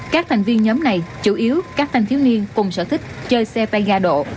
các thành viên nhóm này chủ yếu các thanh thiếu niên cùng sở thích chơi xe tay ga độ